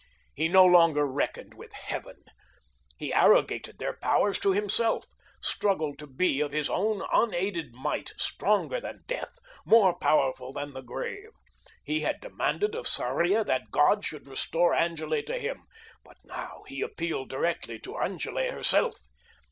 He no longer reckoned with Heaven. He arrogated their powers to himself struggled to be, of his own unaided might, stronger than death, more powerful than the grave. He had demanded of Sarria that God should restore Angele to him, but now he appealed directly to Angele herself.